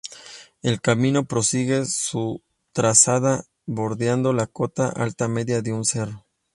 El camino prosigue su trazado bordeando la cota alta media de un cerro.